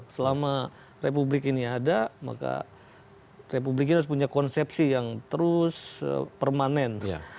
selama republik ini ada maka republik ini harus punya konsepsi yang terus permanen